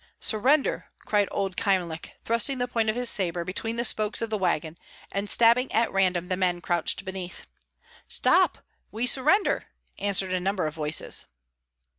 "Surrender!" cried old Kyemlich, thrusting the point of his sabre between the spokes of the wagon and stabbing at random the men crouched beneath. "Stop! we surrender!" answered a number of voices.